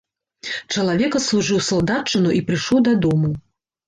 Чалавек адслужыў салдатчыну і прыйшоў дадому.